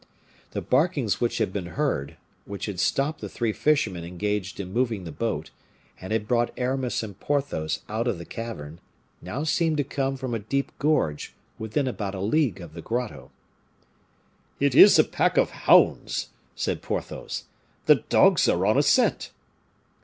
The barkings which had been heard, which had stopped the three fishermen engaged in moving the boat, and had brought Aramis and Porthos out of the cavern, now seemed to come from a deep gorge within about a league of the grotto. "It is a pack of hounds," said Porthos; "the dogs are on a scent."